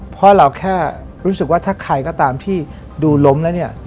เพราะเราแค่รู้สึกว่าถ้าใครก็ตามที่ดูล้มแล้วเนี่ย